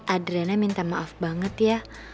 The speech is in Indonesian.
adrena minta maaf banget ya